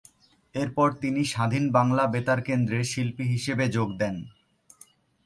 এরপর তিনি স্বাধীন বাংলা বেতার কেন্দ্রে শিল্পী হিসেবে যোগ দেন।